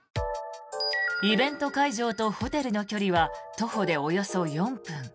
イベント会場とホテルの距離は徒歩でおよそ４分。